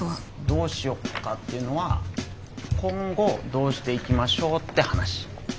どうしようかっていうのは今後どうしていきましょうって話。